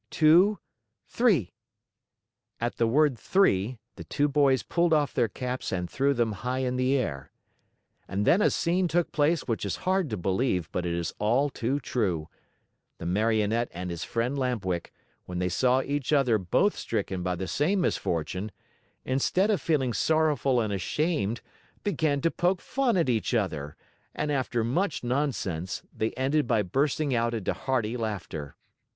Two! Three!" At the word "Three!" the two boys pulled off their caps and threw them high in air. And then a scene took place which is hard to believe, but it is all too true. The Marionette and his friend, Lamp Wick, when they saw each other both stricken by the same misfortune, instead of feeling sorrowful and ashamed, began to poke fun at each other, and after much nonsense, they ended by bursting out into hearty laughter.